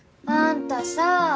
あんたさあ